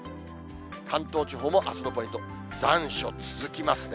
関東地方のあすのポイント、残暑続きますね。